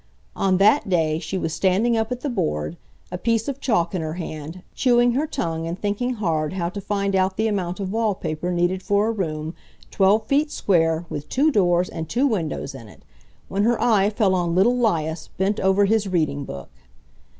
On that day she was standing up at the board, a piece of chalk in her hand, chewing her tongue and thinking hard how to find out the amount of wall paper needed for a room 12 feet square with two doors and two windows in it, when her eye fell on little 'Lias, bent over his reading book.